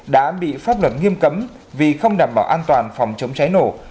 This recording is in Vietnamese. đã bị pháp luật nghiêm cấm vì không đảm bảo an toàn phòng chống cháy nổ